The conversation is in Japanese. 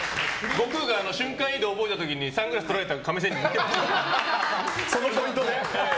悟空が瞬間移動を覚えた時にサングラス取られた亀仙人に似てます。